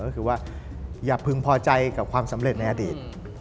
ก็คือว่าอย่าพึงพอใจกับความสำเร็จในอดีต